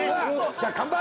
じゃあ乾杯！